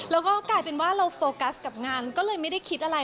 แล้วก็กลายเป็นว่าเราโฟกัสกับงานก็เลยไม่ได้คิดอะไร